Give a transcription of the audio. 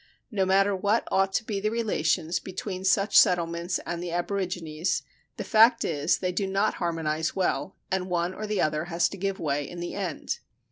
No matter what ought to be the relations between such settlements and the aborigines, the fact is they do not harmonize well, and one or the other has to give way in the end.